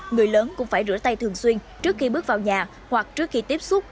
người lớn cũng phải rửa tay thường xuyên trước khi bước vào nhà hoặc trước khi tiếp xúc